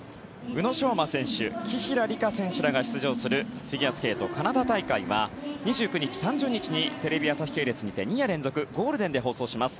宇野昌磨選手紀平梨花選手らが出場するフィギュアスケートカナダ大会は２９日、３０日にテレビ朝日系列にて２夜連続ゴールデンで放送します。